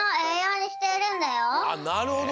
なるほど！